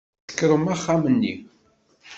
Ssekrum axxam-nni.